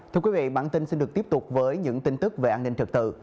thưa quý vị bản tin xin được tiếp tục với những tin tức về an ninh trật tự